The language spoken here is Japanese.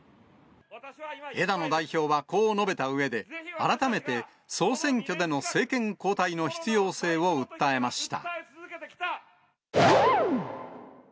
枝野代表はこう述べたうえで、改めて総選挙での政権交代の必要性を訴えました。